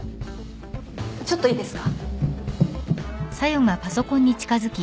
ちょっといいですか？